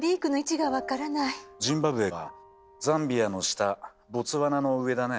ジンバブエはザンビアの下ボツワナの上だね。